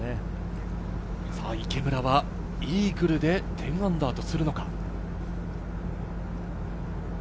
池村はイーグルで−１０とするのか。